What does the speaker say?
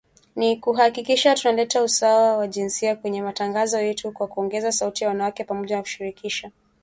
Ni kuhakikisha tunaleta usawa wa jinsia kwenye matangazo yetu kwa kuongeza sauti za wanawake, pamoja na kuwashirikisha zaidi vijana.